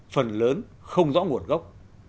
phần lớn không rõ nguồn gốc